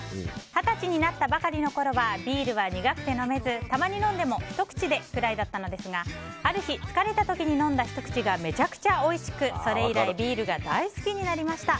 二十歳になったばかりのころはビールは苦くて飲めずたまに飲んでもひと口くらいだったのですがある日疲れた時に飲んだひと口がめちゃくちゃおいしくそれ以来ビールが大好きになりました。